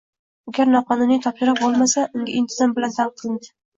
Agar noqonuniy topshiriq bajarilmasa, unga "intizom" bilan tahdid qilinadi